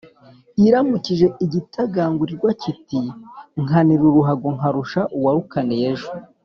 iramukije igitagangurirwa kiti «nkanira uruhago nkarusha uwarukaniye ejo